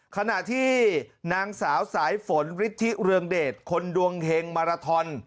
ขณะที่นางสาวสายฝนฤทธิเรืองเดชคนดวงเฮงมาราทอน